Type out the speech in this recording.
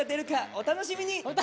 お楽しみに！